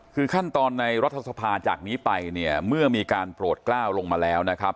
คือขั้นตอนในรัฐสภาจากนี้ไปเนี่ยเมื่อมีการโปรดกล้าวลงมาแล้วนะครับ